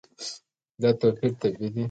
دا توپیر طبیعي دی.